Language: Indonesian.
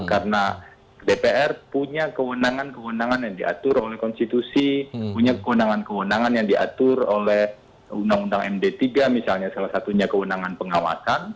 karena dpr punya kewenangan kewenangan yang diatur oleh konstitusi punya kewenangan kewenangan yang diatur oleh undang undang md tiga misalnya salah satunya kewenangan pengawasan